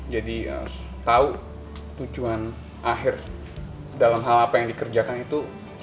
jadi tau tujuan akhir dalam hal apa yang dikerjakan itu